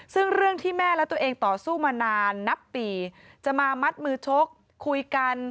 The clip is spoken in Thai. ซึ่งเรื่องที่แม่และตัวเองต่อสู้มานานนับปีจะมามัดมือชกคุยกัน